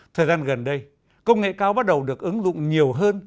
thời gian gần đây công nghệ cao bắt đầu được ứng dụng nhiều hơn